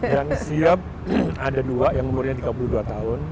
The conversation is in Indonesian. yang siap ada dua yang umurnya tiga puluh dua tahun